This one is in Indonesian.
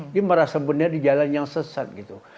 dia merasa benar di jalan yang sesat gitu